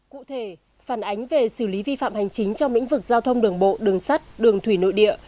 cụ thể phản ánh về xử lý vi phạm hành chính trong lĩnh vực giao thông đường bộ đường sắt đường thủy nội địa